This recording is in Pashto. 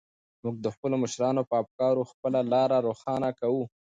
موږ د خپلو مشرانو په افکارو خپله لاره روښانه کوو.